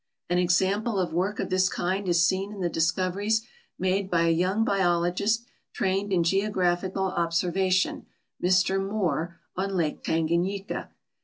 An example of work of this kind is seen in the discoveries made by a young biologist trained in geographical observation, Mr Moore, on Lake Tan ganyika.